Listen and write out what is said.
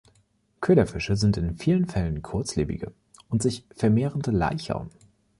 Köderfische sind in vielen Fällen kurzlebige und sich vermehrende Laicher.